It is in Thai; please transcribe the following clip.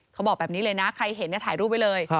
เขาบอกแบบนี้เลยนะใครเห็นถ่ายรูปไว้เลย